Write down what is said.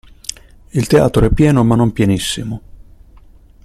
Il teatro è pieno ma non pienissimo.